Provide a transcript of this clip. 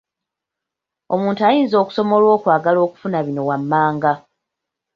Omuntu ayinza okusoma olw'okwagala okufuna bino wammanga.